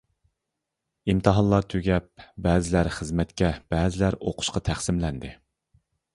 ئىمتىھانلار تۈگەپ، بەزىلەر خىزمەتكە، بەزىلەر ئوقۇشقا تەقسىملەندى.